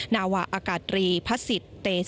นาวะอากาศบินสุดท้าย